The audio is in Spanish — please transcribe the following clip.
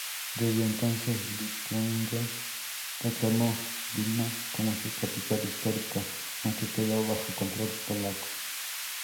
Desde entonces, Lituania reclamó Vilna como su capital histórica, aunque quedó bajo control polaco.